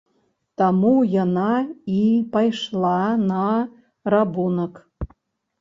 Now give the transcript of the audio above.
Таму яна і пайшла на рабунак.